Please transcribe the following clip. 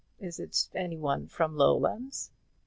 Is it any one from from Lowlands?"